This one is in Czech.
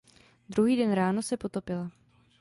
Druhý den ráno se potopila.